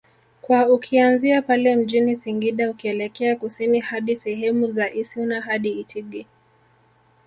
kwa ukianzia pale mjini Singida ukielekea Kusini hadi sehemu za Issuna hadi Itigi